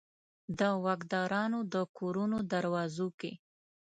د واکدارانو د کورونو دروازو کې